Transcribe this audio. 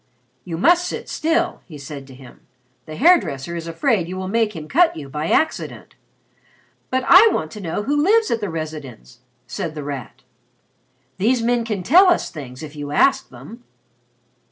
"You must sit still," he said to him. "The hair dresser is afraid you will make him cut you by accident." "But I want to know who lives at the Residenz?" said The Rat. "These men can tell us things if you ask them."